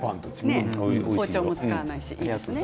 包丁も使わないですね。